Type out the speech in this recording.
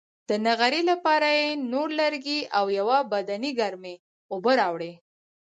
د نغري لپاره یې نور لرګي او یوه بدنۍ ګرمې اوبه راوړې.